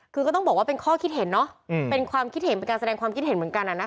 คือก็ต้องบอกว่าเป็นข้อคิดเห็นเนาะเป็นความคิดเห็นเป็นการแสดงความคิดเห็นเหมือนกัน